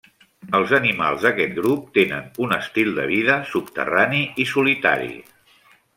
Els animals d'aquest grup tenen un estil de vida subterrani i solitari.